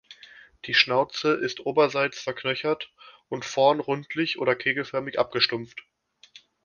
Die Schnauze ist oberseits verknöchert und vorn rundlich oder kegelförmig abgestumpft.